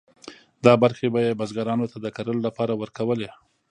دا برخې به یې بزګرانو ته د کرلو لپاره ورکولې.